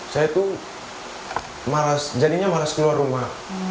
saya tuh jadinya malas keluar rumah